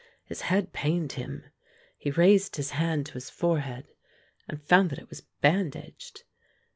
His head pained him: he raised his hand to his forehead, and found that it was bandaged.